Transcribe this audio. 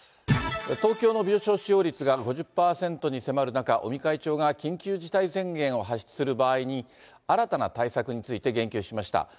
東京の病床使用率が５０％に迫る中、尾身会長が緊急事態宣言を発出する場合に、新たな対策について言及しました。